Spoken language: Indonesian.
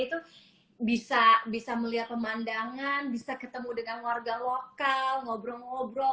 itu bisa melihat pemandangan bisa ketemu dengan warga lokal ngobrol ngobrol